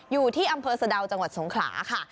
อยู่ที่อำเภอสะดาวจังหวัดสงขลาค่ะ